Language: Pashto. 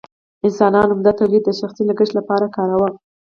انسانانو عمده تولید د شخصي لګښت لپاره کاوه.